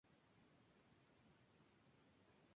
Pero pierde popularidad y demanda.